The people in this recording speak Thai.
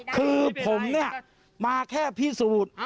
คือผมเนี่ยมาแค่พิสูจน์